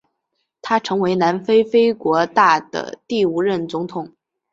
他成为南非非国大的第五任总统。